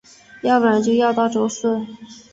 要不然就要到周四